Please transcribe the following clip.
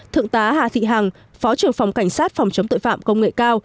thượng tá hà thị hằng phó trưởng phòng cảnh sát phòng chống tội phạm công nghệ cao